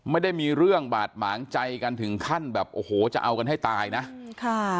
ไม่ได้มีเรื่องบาดหมางใจกันถึงขั้นแบบโอ้โหจะเอากันให้ตายนะใช่ค่ะ